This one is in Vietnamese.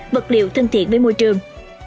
vật liệu thân thiện với môi trường